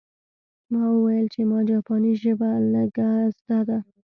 ما وویل چې ما جاپاني ژبه لږه زده وه